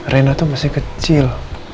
rena itu masih kecil